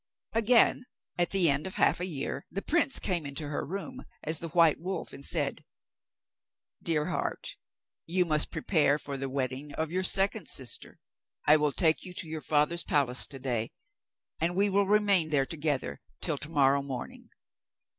Again, at the end of half a year, the prince came into her room, as the white wolf, and said: 'Dear heart, you must prepare for the wedding of your second sister. I will take you to your father's palace to day, and we will remain there together till to morrow morning.